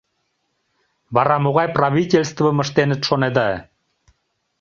Вара могай правительствым ыштеныт, шонеда?